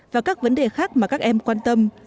và các vấn đề khác mà các em quan tâm